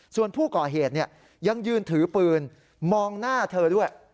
ส่วนผู้ก่อเหตุยังยืนถือปืนมองหน้าเธอด้วย